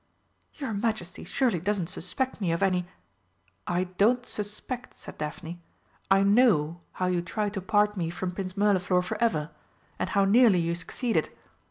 "Your Majesty surely doesn't suspect me of any ?" "I don't suspect," said Daphne, "I know how you tried to part me from Prince Mirliflor for ever and how nearly you succeeded.